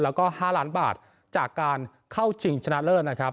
แล้วก็๕ล้านบาทจากการเข้าชิงชนะเลิศนะครับ